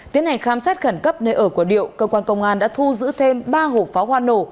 tiến hành khám xét khẩn cấp nơi ở của điệu cơ quan công an đã thu giữ thêm ba hộp pháo hoa nổ